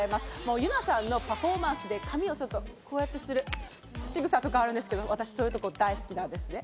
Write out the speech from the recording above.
ユナさんのパフォーマンスで髪をこうやってするしぐさとかがあるんですけど、私そういうところ大好きです。